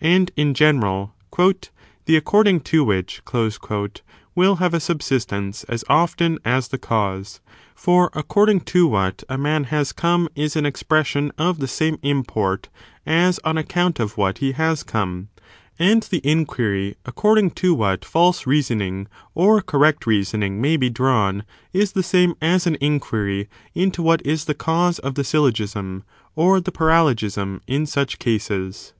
And, in general, " the according to which *' wiU have a sub sistence as often as the cause ; for according to what a man has come is an expression of the same import as on account of what he has come ; and the inquiry according to what false reasoning, or correct reasoning, may be drawn is the same as an inquiry into what is the cause of the syllogism, or the paralogism, in such cases.